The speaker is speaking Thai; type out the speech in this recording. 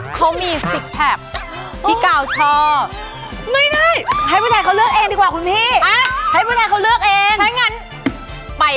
ขอต้อนรับน้องพลิกทองหัว